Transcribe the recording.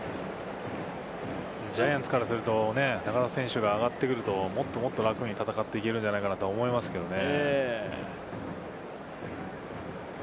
ジャイアンツからすると、中田選手が上がってくると、もっともっと楽に戦っていけるんじゃないかと思いますけどね。